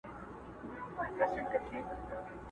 په بې صبری معشوقې چا میندلي دینه!